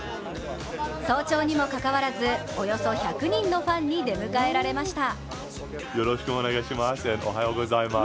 早朝にもかかわらず、およそ１００人のファンに出迎えられました。